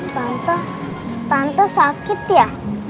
tante tante sakit ya